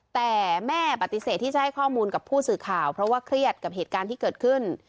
แต่แม่ปฏิเสธที่จะให้ข้อมูลกับผู้สื่อข่าวเพราะว่าเครียดกับเหตุการณ์ที่เกิดขึ้น